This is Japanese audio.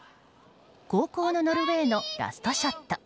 後攻のノルウェーのラストショット。